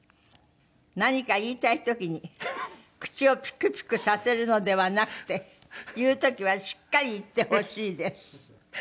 「何か言いたい時に口をピクピクさせるのではなくて言う時はしっかり言ってほしいです」